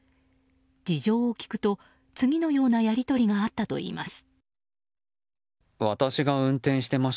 事情を聴くと次のようなやり取りがあったといいます。